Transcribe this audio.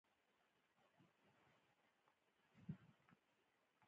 خوړل د دعا سره شته وي